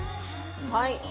はい。